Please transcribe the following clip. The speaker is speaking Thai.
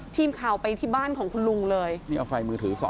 ทีมข่าวไปที่บ้านของคุณลุงเลยนี่เอาไฟมือถือสอง